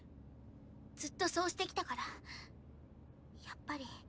ずっとそうしてきたからやっぱり。